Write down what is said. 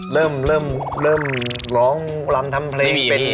เริ่มเริ่มเริ่มร้องรำทำเพลงเป็น